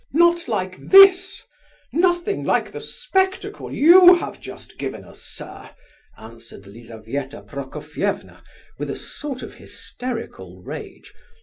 "Not like this! Nothing like the spectacle you have just given us, sir," answered Lizabetha Prokofievna, with a sort of hysterical rage.